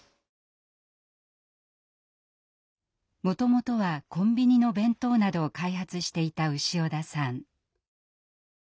もともとはコンビニの弁当などを開発していた潮田さん。